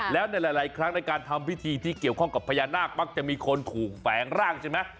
แล้วในหลายครั้งในการทำพิธีที่เกี่ยวข้องกับพญานาคมักจะมีคนถูกแฝงร่างใช่ไหม